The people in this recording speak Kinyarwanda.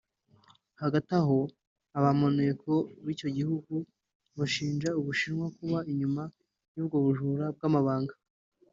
Hagati aho ba maneko b’icyo gihugu bashinja u Bushinwa kuba inyuma y’ubwo bujura bw’amabanga